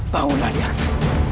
bangun adi aksa